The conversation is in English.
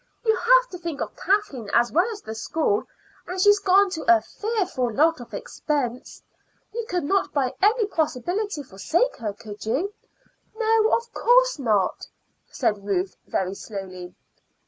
You have to think of Kathleen as well as the school, and she's gone to a fearful lot of expense. You could not by any possibility forsake her, could you?" "No, of course not," said Ruth very slowly.